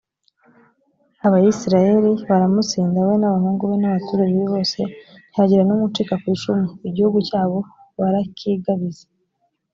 abayisraheli baramutsinda, we n’abahungu be, n’abaturage be bose, ntihagira n’umwe ucika ku icumu. igihugu cyabo barakigabiza.